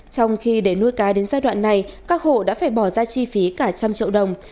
trong khi để nuôi cá đến giai đoạn này các hộ đã phải bỏ ra chi phí cả trăm triệu đồng